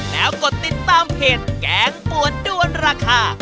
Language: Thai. แล้วกดติดตามเพจแกงปวดด้วนราคา